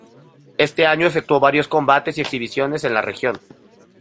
Ese año efectuó varios combates y exhibiciones en la región.